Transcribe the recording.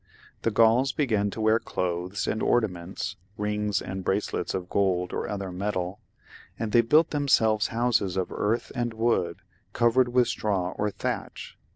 The Gfiuls began to wear clothes and ornaments ; rings and bracelets of gold or other metal, and they built them selves houses of earth and wood, covered with straw or thatch.